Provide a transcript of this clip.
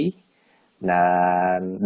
nah dengan berakhirnya live video